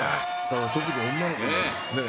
特に女の子がねえ